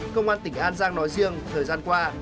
công an tỉnh an giang nói riêng thời gian qua